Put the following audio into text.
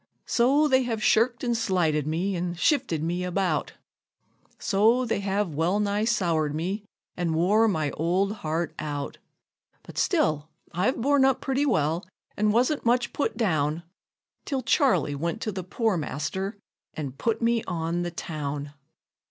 So they have shirked and slighted me, an' shifted me about So they have well nigh soured me, an' wore my old heart out; But still I've borne up pretty well, an' wasn't much put down, Till Charley went to the poor master, an' put me on the town.